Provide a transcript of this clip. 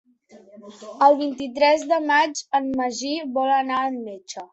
El vint-i-tres de maig en Magí vol anar al metge.